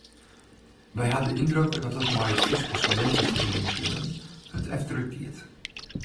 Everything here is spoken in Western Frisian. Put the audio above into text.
Wy ha de yndruk dat it mei it Fryske studinteferieningslibben hurd efterútgiet.